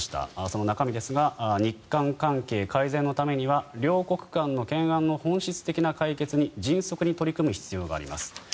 その中身ですが日韓関係改善のためには両国間の懸案の本質的な解決に迅速に取り組む必要があります。